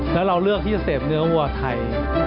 แล้วเราเลือกที่จะเสพเนื้อวัวไทย